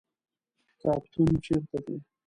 کتابتون چیرته دی؟